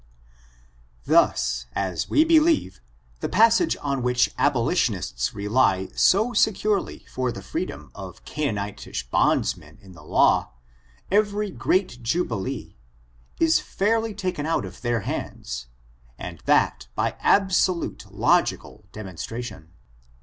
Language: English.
Thus, as we believe, the passage on which aboli tionists rely so securely for the freedom of Canaanit ish bondmen in the law, every great jubilee, is fairly taken out of their hands, and that by absolute logical demonstration.